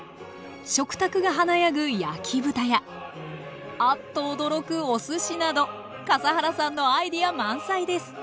食卓が華やぐ焼き豚やアッと驚くおすしなど笠原さんのアイデア満載です。